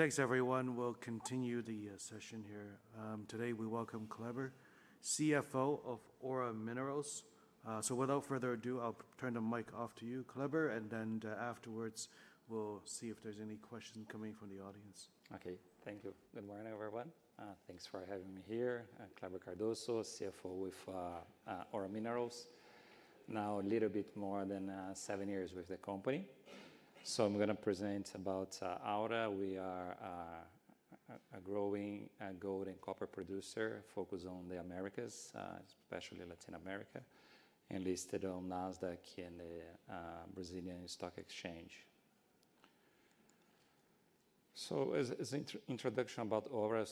Thanks everyone. We'll continue the session here. Today we welcome Kleber, CFO of Aura Minerals. Without further ado, I'll turn the mic over to you, Kleber, and then afterwards we'll see if there's any question coming from the audience. Okay. Thank you. Good morning, everyone. Thanks for having me here. Kleber Cardoso, CFO with Aura Minerals. Now a little bit more than seven years with the company. I'm going to present about Aura. We are a growing gold and copper producer focused on the Americas, especially Latin America, and listed on Nasdaq and the Brazilian Stock Exchange. As an introduction about Aura,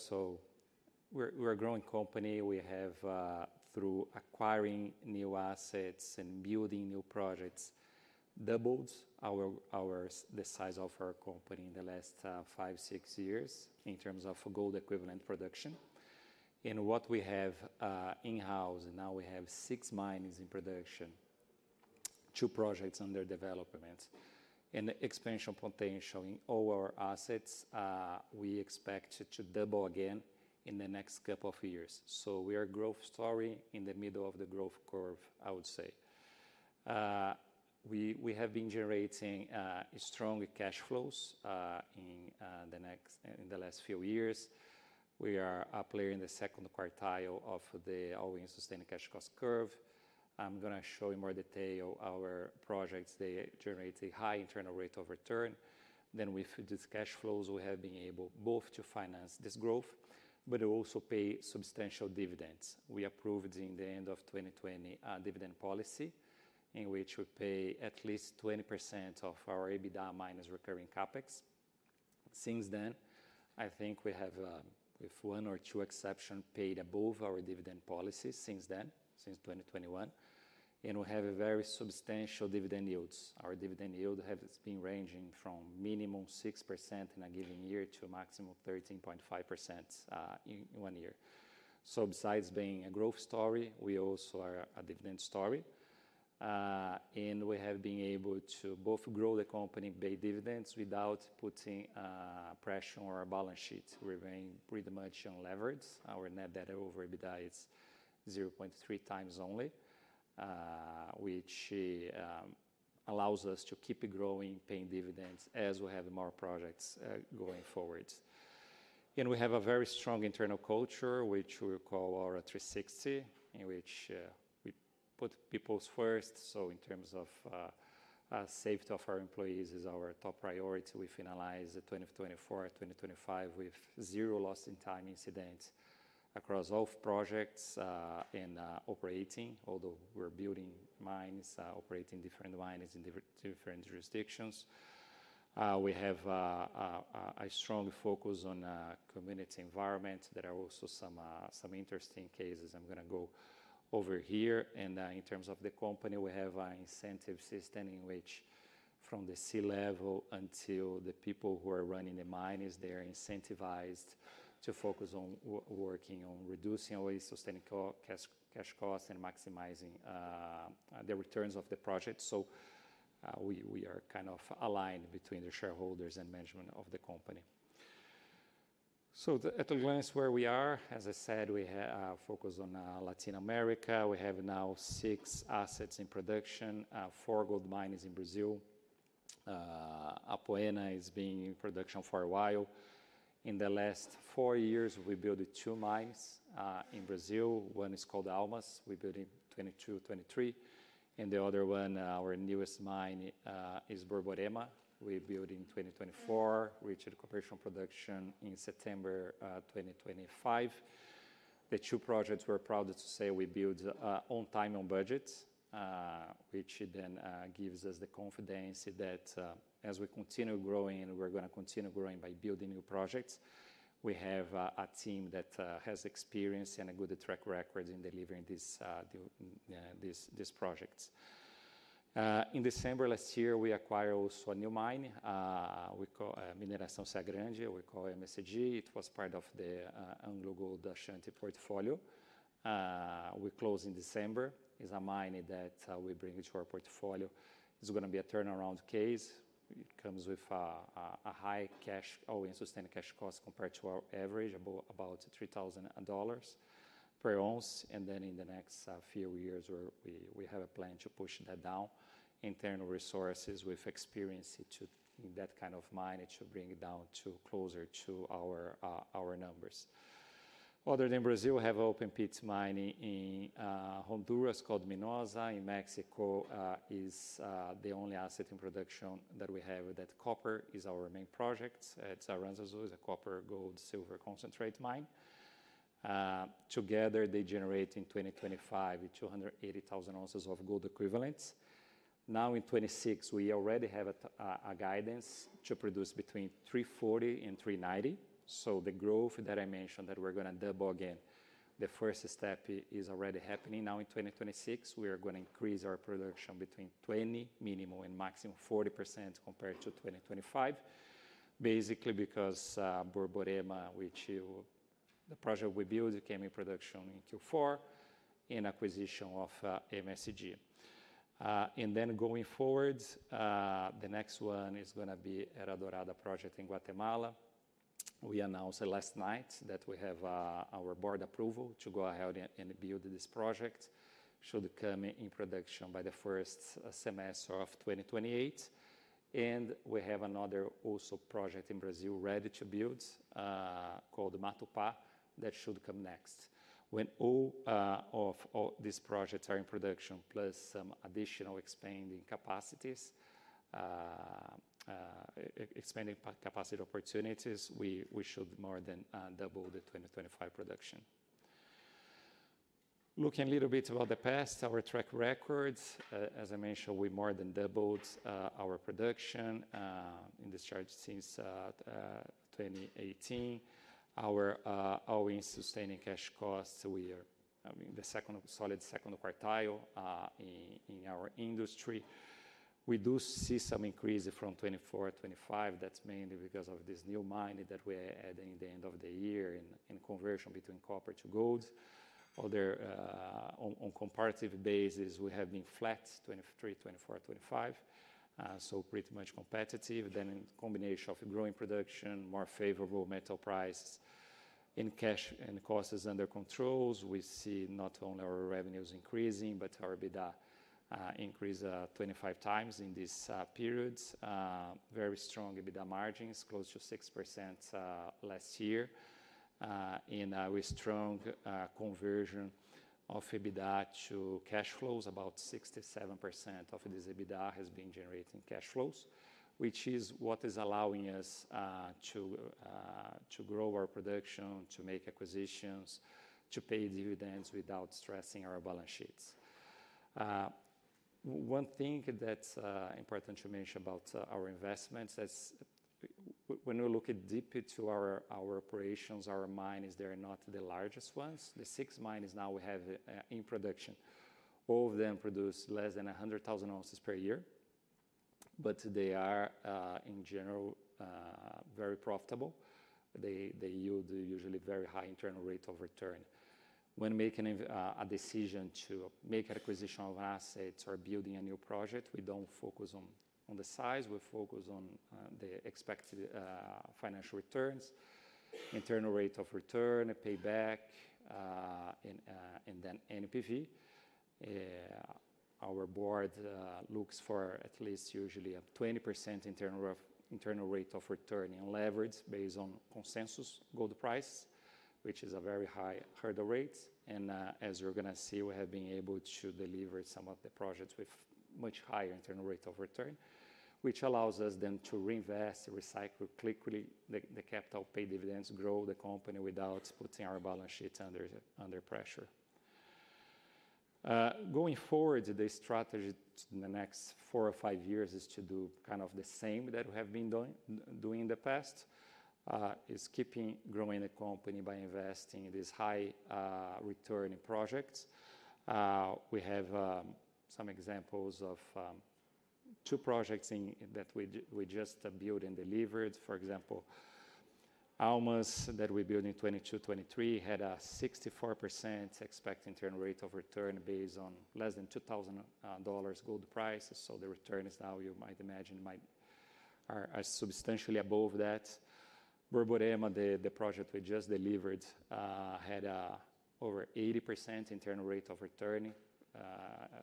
we're a growing company. We have, through acquiring new assets and building new projects, doubled the size of our company in the last five-six years in terms of gold-equivalent production. What we have in-house, and now we have six mines in production, two projects under development, and expansion potential in all our assets. We expect to double again in the next couple of years. We are a growth story in the middle of the growth curve, I would say. We have been generating strong cash flows in the last few years. We are up there in the second quartile of the all-in sustaining cash cost curve. I'm going to show in more detail our projects. They generate a high internal rate of return. With these cash flows, we have been able both to finance this growth, but also pay substantial dividends. We approved in the end of 2020 a dividend policy in which we pay at least 20% of our EBITDA minus recurring CapEx. Since then, I think we have, with one or two exceptions, paid above our dividend policy since 2021, and we have very substantial dividend yields. Our dividend yield has been ranging from a minimum 6% in a given year to a maximum 13.5% in one year. Besides being a growth story, we also are a dividend story. We have been able to both grow the company and pay dividends without putting pressure on our balance sheet. We remain pretty much unleveraged. Our net debt over EBITDA is 0.3x only, which allows us to keep growing, paying dividends as we have more projects going forward. We have a very strong internal culture, which we call Aura 360, in which we put people first. In terms of safety of our employees is our top priority. We finalized 2024-2025 with zero lost time incidents across all projects and operations, although we're building mines, operating different mines in different jurisdictions. We have a strong focus on community environment. There are also some interesting cases I'm going to go over here. In terms of the company, we have an incentive system in which from the C-Level until the people who are running the mines, they're incentivized to focus on working on reducing all-in sustaining cash costs and maximizing the returns of the project. We are kind of aligned between the shareholders and management of the company. At a glance where we are, as I said, we are focused on Latin America. We have now six assets in production, four gold mines in Brazil. Apoena has been in production for a while. In the last four years, we built two mines in Brazil. One is called Almas. We built in 2022, 2023. The other one, our newest mine, is Borborema. We built in 2024, reached commercial production in September 2025. The two projects we're proud to say we built on time, on budget, which then gives us the confidence that as we continue growing, and we're going to continue growing by building new projects, we have a team that has experience and a good track record in delivering these projects. In December last year, we acquired also a new mine, Mineração Serra Grande, we call MSG. It was part of the AngloGold Ashanti portfolio. We closed in December. It's a mine that we bring into our portfolio. It's going to be a turnaround case. It comes with a high all-in sustaining cash cost compared to our average, about $3,000 per ounce. In the next few years, we have a plan to push that down, internal resources with experience in that kind of mine to bring it down closer to our numbers. Other than Brazil, we have open pits mining in Honduras called Minosa. In Mexico is the only asset in production that we have. That copper is our main project. It's Aranzazu. It's a copper-gold-silver concentrate mine. Together, they generate in 2025, 280,000 ounces of gold equivalents. Now in 2026, we already have a guidance to produce between 340 and 390. The growth that I mentioned that we're going to double again, the first step is already happening now in 2026. We are going to increase our production between 20% minimum and maximum 40% compared to 2025. Basically because Borborema, the project we built, came in production in Q4 in acquisition of MSG. Going forward, the next one is going to be Era Dorada Project in Guatemala. We announced last night that we have our Board approval to go ahead and build this project. Should come in production by the first semester of 2028. We have another also project in Brazil ready to build, called Matupá, that should come next. When all of these projects are in production, plus some additional expanding capacity opportunities, we should more than double the 2025 production. Looking a little bit about the past, our track records. As I mentioned, we more than doubled our production in this chart since 2018. Our all-in sustaining cash costs, we are in the solid second quartile in our industry. We do see some increase from 2024-2025. That's mainly because of this new mine that we're adding the end of the year in conversion between copper to gold. On comparative basis, we have been flat 2023, 2024, 2025. Pretty much competitive. In combination of growing production, more favorable metal price, and cash and costs is under controls, we see not only our revenues increasing, but our EBITDA increase 25x in these periods. Very strong EBITDA margins, close to 6% last year. With strong conversion of EBITDA to cash flows, about 67% of this EBITDA has been generating cash flows, which is what is allowing us to grow our production, to make acquisitions, to pay dividends without stressing our balance sheets. One thing that's important to mention about our investments is when you look deeply to our operations, our mines, they're not the largest ones. The six mines now we have in production, all of them produce less than 100,000 ounces per year. They are, in general, very profitable. They yield usually very high internal rate of return. When making a decision to make acquisition of assets or building a new project, we don't focus on the size, we focus on the expected financial returns, internal rate of return, payback, and then NPV. Our Board looks for at least usually a 20% internal rate of return unleveraged based on consensus gold price, which is a very high hurdle rate. As you're going to see, we have been able to deliver some of the projects with much higher internal rate of return, which allows us then to reinvest, recycle quickly the capital, pay dividends, grow the company without putting our balance sheets under pressure. Going forward, the strategy in the next four or five years is to do kind of the same that we have been doing in the past, is keeping growing the company by investing in these high-returning projects. We have some examples of two projects that we just built and delivered. For example, Almas that we built in 2022, 2023, had a 64% expected internal rate of return based on less than $2,000 gold price. The return is now, you might imagine, are substantially above that. Borborema, the project we just delivered, had over 80% internal rate of return,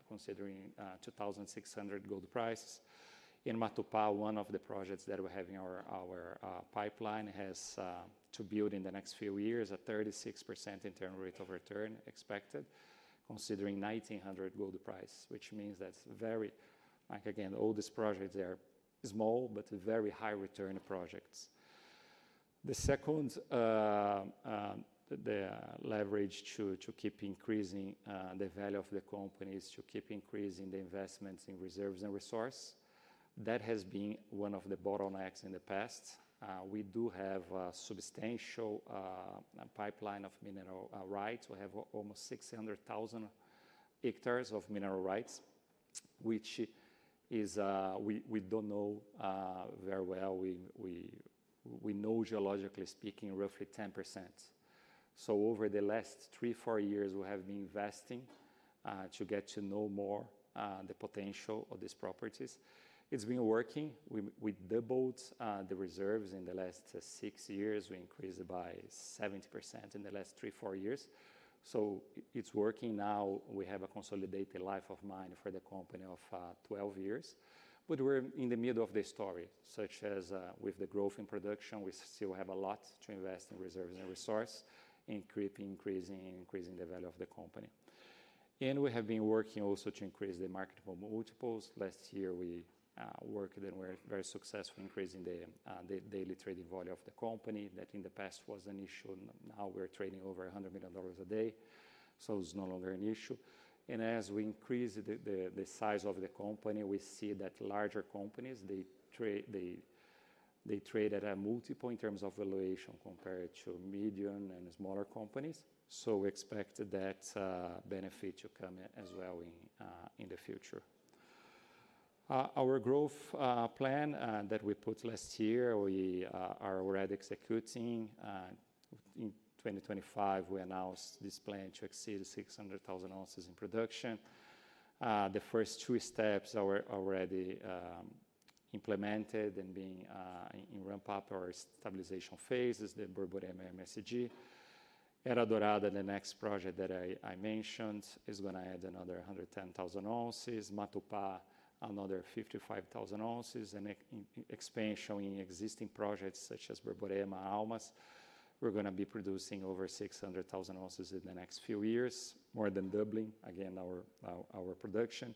considering $2,600 gold price. In Matupá, one of the projects that we have in our pipeline has to build in the next few years a 36% internal rate of return expected, considering $1,900 gold price. Again, all these projects are small but very high return projects. The second, the leverage to keep increasing the value of the company is to keep increasing the investments in reserves and resource. That has been one of the bottlenecks in the past. We do have a substantial pipeline of mineral rights. We have almost 600,000 hectares of mineral rights, which we don't know very well. We know, geologically speaking, roughly 10%. Over the last three-four years, we have been investing to get to know more the potential of these properties. It's been working. We doubled the reserves in the last six years. We increased it by 70% in the last three-four years. It's working now. We have a consolidated life of mine for the company of 12 years. We're in the middle of the story, such as with the growth in production, we still have a lot to invest in reserves and resource, increasing the value of the company. We have been working also to increase the marketable multiples. Last year, we worked and were very successful increasing the daily trading volume of the company. That, in the past, was an issue. Now we're trading over $100 million a day, so it's no longer an issue. As we increase the size of the company, we see that larger companies, they trade at a multiple in terms of valuation compared to medium and smaller companies. We expect that benefit to come as well in the future. Our growth plan that we put last year, we are already executing. In 2025, we announced this plan to exceed 600,000 ounces in production. The first two steps are already implemented and being in ramp-up or stabilization phases, the Borborema and MSG. Era Dorada, the next project that I mentioned, is going to add another 110,000 ounces. Matupá, another 55,000 ounces. Expansion in existing projects such as Borborema, Almas. We're going to be producing over 600,000 ounces in the next few years, more than doubling, again, our production.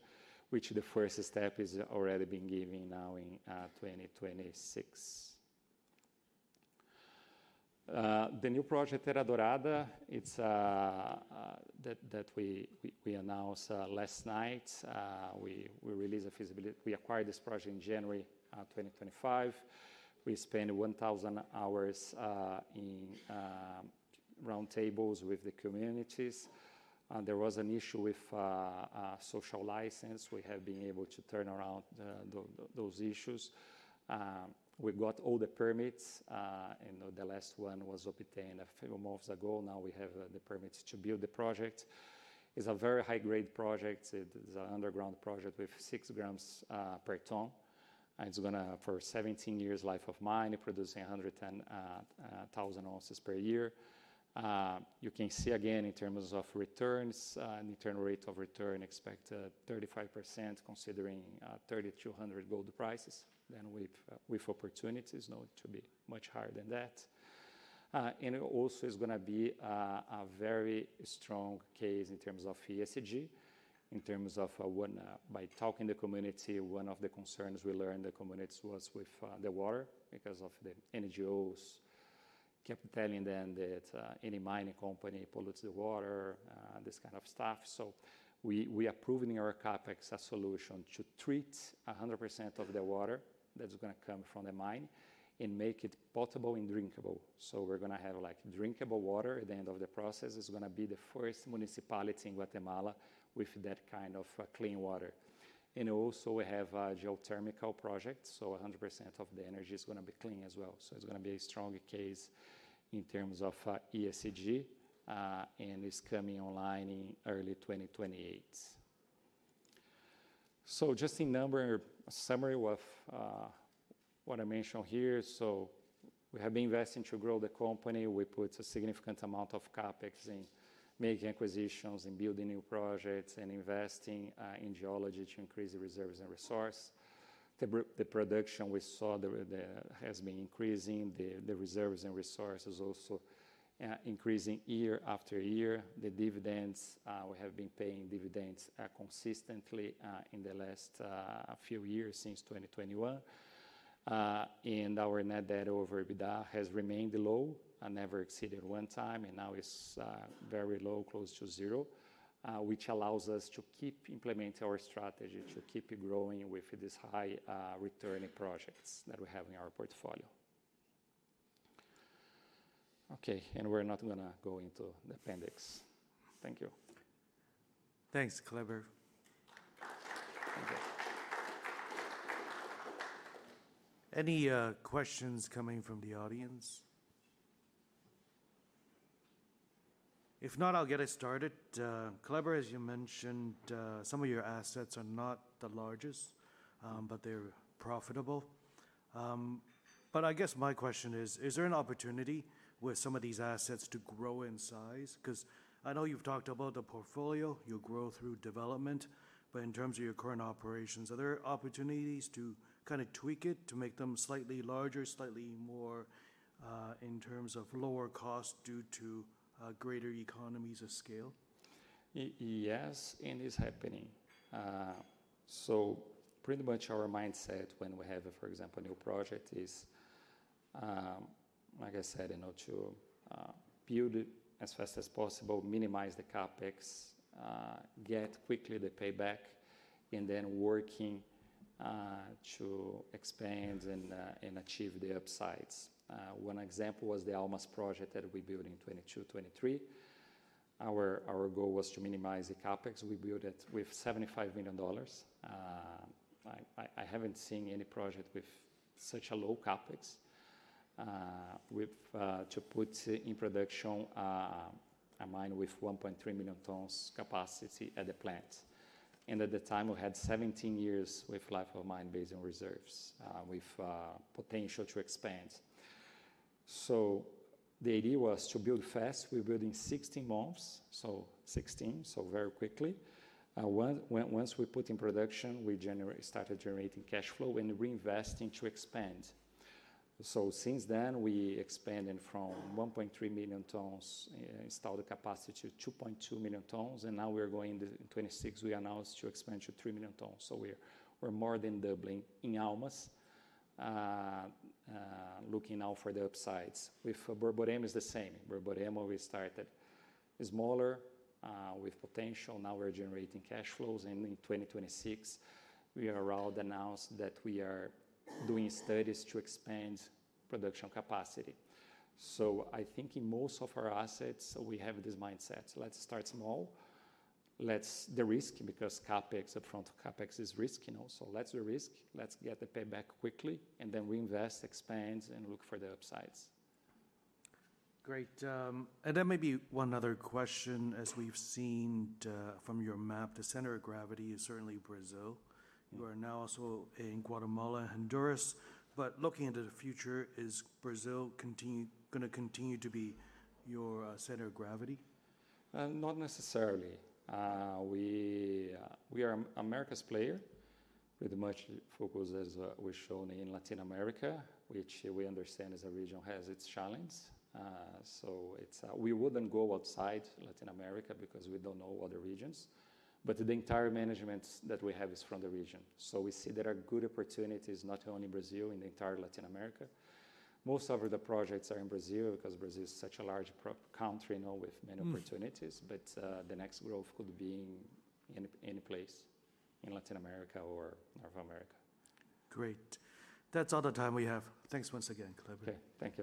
Which the first step is already being given now in 2026, the new project, Era Dorada, that we announced last night. We acquired this project in January 2025. We spent 1,000 hours in round tables with the communities. There was an issue with social license. We have been able to turn around those issues. We got all the permits, and the last one was obtained a few months ago. Now we have the permits to build the project. It's a very high-grade project. It's an underground project with 6 grams per ton. It's going to, for 17 years life of mine, producing 110,000 ounces per year. You can see again in terms of returns, internal rate of return expected 35%, considering $3,200 gold prices, with opportunities to be much higher than that. Also it's going to be a very strong case in terms of ESG. In terms of talking to the community, one of the concerns we learned in the community was with the water because the NGOs kept telling them that any mining company pollutes the water, this kind of stuff. We are approving in our CapEx a solution to treat 100% of the water that's going to come from the mine and make it potable and drinkable. We're going to have drinkable water at the end of the process. It's going to be the first municipality in Guatemala with that kind of clean water. Also we have a geothermal project, so 100% of the energy is going to be clean as well. It's going to be a strong case in terms of ESG, and it's coming online in early 2028. Just in summary with what I mentioned here. We have been investing to grow the company. We put a significant amount of CapEx in making acquisitions and building new projects and investing in geology to increase the reserves and resource. The production we saw has been increasing. The reserves and resources also increasing year after year. The dividends, we have been paying dividends consistently in the last few years, since 2021. Our net debt over EBITDA has remained low and never exceeded 1x, and now is very low, close to zero, which allows us to keep implementing our strategy to keep growing with these high-returning projects that we have in our portfolio. Okay. We're not going to go into the appendix. Thank you. Thanks, Kleber. Any questions coming from the audience? If not, I'll get us started. Kleber, as you mentioned, some of your assets are not the largest, but they're profitable. I guess my question is there an opportunity with some of these assets to grow in size? Because I know you've talked about the portfolio, you grow through development. In terms of your current operations, are there opportunities to kind of tweak it to make them slightly larger, slightly more in terms of lower cost due to greater economies of scale? Yes, and it's happening. Pretty much our mindset when we have, for example, a new project is, like I said, to build it as fast as possible, minimize the CapEx, get quickly the payback, and then working to expand and achieve the upsides. One example was the Almas project that we built in 2022-2023. Our goal was to minimize the CapEx. We built it with $75 million. I haven't seen any project with such a low CapEx to put in production a mine with 1.3 million tons capacity at the plant. At the time, we had 17 years with life of mine based on reserves, with potential to expand. The idea was to build fast. We built in 16 months, 16, very quickly. Once we put in production, we started generating cash flow and reinvesting to expand. Since then, we expanded from 1.3 million tons installed capacity to 2.2 million tons, and now, in 2026, we announced to expand to 3 million tons. We're more than doubling in Almas. Looking now for the upsides, with Borborema is the same. Borborema, we started smaller with potential. Now we're generating cash flows. In 2026, we announced that we are doing studies to expand production capacity. I think in most of our assets, we have this mindset. Let's start small, because upfront CapEx is risky now. Let's risk, let's get the payback quickly, and then reinvest, expand, and look for the upsides. Great. Maybe one other question. As we've seen from your map, the center of gravity is certainly Brazil. You are now also in Guatemala and Honduras. Looking into the future, is Brazil going to continue to be your center of gravity? Not necessarily. We are Americas player with much focus, as we've shown, in Latin America, which we understand as a region has its challenge. We wouldn't go outside Latin America because we don't know other regions. The entire management that we have is from the region. We see there are good opportunities, not only Brazil, in the entire Latin America. Most of the projects are in Brazil because Brazil is such a large country now with many opportunities. The next growth could be in any place in Latin America or North America. Great. That's all the time we have. Thanks once again, Kleber. Okay. Thank you.